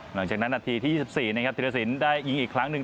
หลังจากนั้นนาทีที่ยี่สิบสี่นะครับธิรสินได้ยิงอีกครั้งหนึ่ง